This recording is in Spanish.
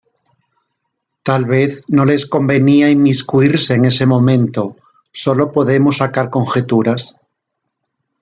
Tal vez no les convenía inmiscuirse en ese momento, sólo podemos sacar conjeturas.